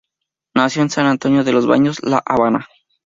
Nació en San Antonio de los Baños, La Habana.